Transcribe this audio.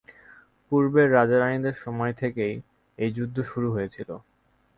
পূর্বের রাজা-রাণীদের সময় থেকেই এই যুদ্ধ শুরু হয়েছিল।